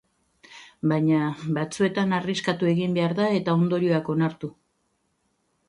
Baina, batzuetan arriskatu egin behar da eta ondorioak onartu.